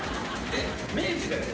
明治だよね？